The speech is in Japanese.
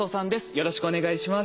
よろしくお願いします。